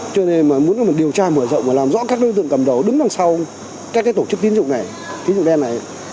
cho nên là muốn điều tra mở rộng và làm rõ các đơn tượng cầm đầu đứng đằng sau các tổ chức tín dụng đen này